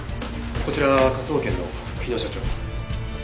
こちらは科捜研の日野所長。